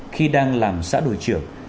khi đang làm xã đổi trưởng